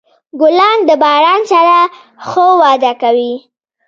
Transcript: ګلان د باران سره ښه وده کوي.